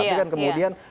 tapi kan kemudian